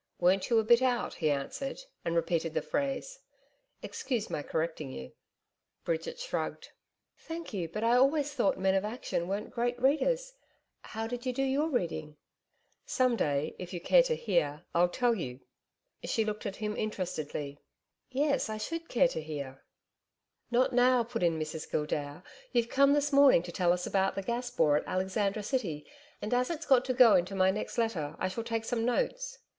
'Weren't you a bit out?' he answered, and repeated the phrase. 'Excuse my correcting you.' Bridget shrugged. 'Thank you. But I always thought men of action weren't great readers. How did you do your reading?' 'Some day if you care to hear I'll tell you.' She looked at him interestedly. 'Yes, I should care to hear.' 'Not now,' put in Mrs Gildea. 'You've come this morning to tell us about the Gas Bore at Alexandra City, and, as it's got to go into my next letter, I shall take some notes.